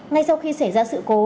ngay sau khi xảy ra sự cố